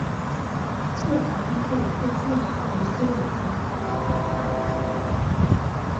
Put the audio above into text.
月台上设有候车椅及遮雨棚。